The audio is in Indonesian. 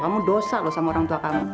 bisa gosah sama orang tua kamu